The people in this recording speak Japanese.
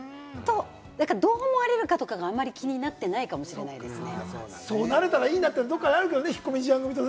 だからどう思われるかとかがあまり気になってないかもしれないですね。